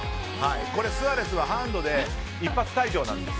これスアレスがハンドで一発退場なんです。